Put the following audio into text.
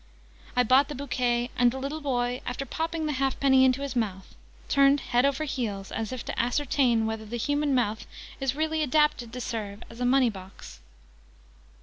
I bought the bouquet: and the little boy, after popping the halfpenny into his mouth, turned head over heels, as if to ascertain whether the human mouth is really adapted to serve as a money box.